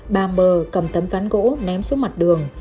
bà mờ cầm tấm ván gỗ ném xuống mặt đường